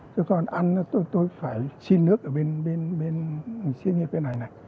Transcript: cái khoan ăn tôi phải xin nước ở bên xin như thế này này